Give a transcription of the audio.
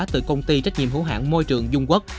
từ công ty trách nhiệm hữu hạng môi trường dung quốc